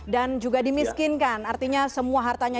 juga dimiskinkan artinya semua hartanya